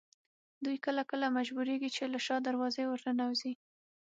دوی کله کله مجبورېږي چې له شا دروازې ورننوځي.